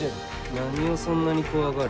何をそんなに怖がる？